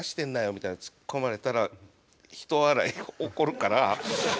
みたいにツッコまれたらひと笑い起こるから。